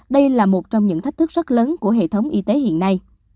đây là một trong những thách thức rất lớn của hệ thống y tế hiện nay